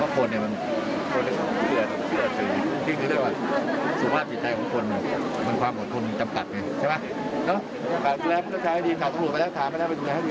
ก็ได้ข่าวอย่างนั้นดูนะ